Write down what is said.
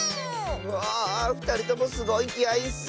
わあっふたりともすごいきあいッス！